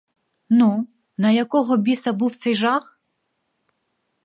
Ну, на якого біса був цей жах?